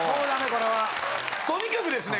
これは・とにかくですね